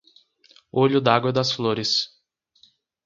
Olho d'Água das Flores